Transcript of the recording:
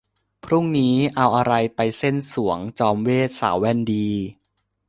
พรุ่งนี้เอาอะไรไปเซ่นสรวงจอมเวทย์สาวแว่นดี ?